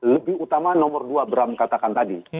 lebih utama nomor dua bram katakan tadi